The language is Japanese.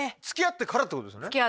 つきあってからってことですよね？